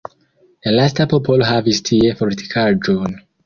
La lasta popolo havis tie fortikaĵon.